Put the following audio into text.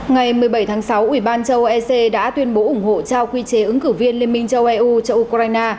ngày một mươi bảy tháng sáu ủy ban châu âu ec đã tuyên bố ủng hộ trao quy chế ứng cử viên liên minh châu eu cho ukraine